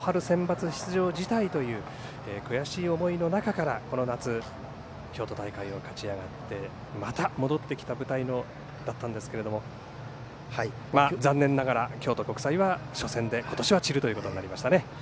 しかも春センバツ出場辞退という悔しい思いの中から、この夏京都大会を勝ち上がってまた戻ってきた舞台だったんですが残念ながら京都国際は今年は初戦で散るということになりましたね。